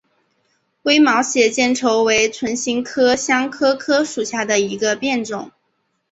微毛血见愁为唇形科香科科属下的一个变种。